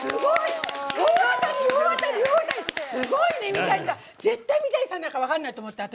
すごいね、三谷さん！絶対三谷さんなんか分かんないと思った、私。